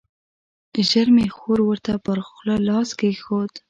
ژر مې خور ورته پر خوله لاس کېښود.